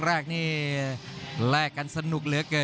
รับทราบบรรดาศักดิ์